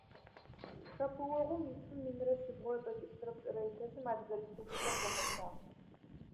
Чъэпыогъум итфым минрэ шъибгьурэ тӀокӀиплӀырэ пшӀырэ илъэсым Адыгэ Республикэр зэхащагъ.